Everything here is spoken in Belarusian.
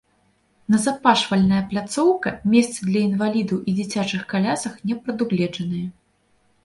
Назапашвальная пляцоўка, месцы для інвалідаў і дзіцячых калясак не прадугледжаныя.